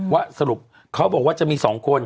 ว่าสรุปเขาบอกว่าจะมี๒คน